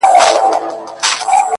• هغه نجلۍ مي اوس پوښتنه هر ساعت کوي،